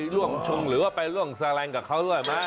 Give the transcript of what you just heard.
ล่วงชงหรือว่าไปล่วงซาแหลงกับเขาด้วยมั้ย